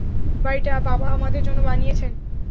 বাড়িটা বাবা আমাদের জন্য বানিয়েছেন।